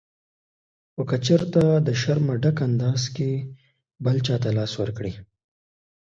خو که چېرې له شرمه ډک انداز کې بل ته لاس ورکړئ